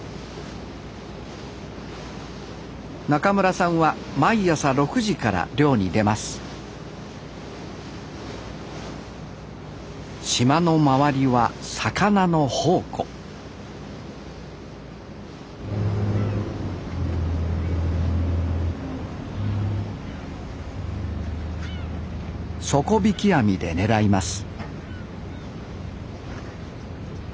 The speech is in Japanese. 中村さんは毎朝６時から漁に出ます島の周りは魚の宝庫底引き網で狙います